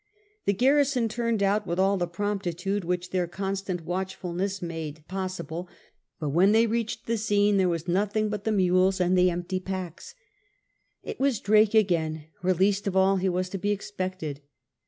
The garrison turned out with all the promptitude which their constant watchfulness made Ill A DESPERATE SITUATION 43 possible j but when they reached the scene there was nothing but the mules and the empty packs. It was Drake again where least of all he was to be expected.